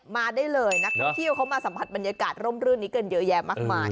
มาได้เลยนักท่องเที่ยวเขามาสัมผัสบรรยากาศร่มรื่นนี้กันเยอะแยะมากมาย